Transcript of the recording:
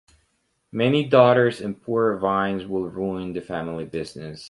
Many daughters and poor vines will ruin the family business.